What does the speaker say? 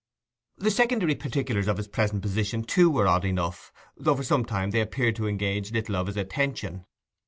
The secondary particulars of his present position, too, were odd enough, though for some time they appeared to engage little of his attention.